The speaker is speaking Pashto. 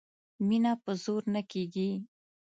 مینه په زور نه کیږي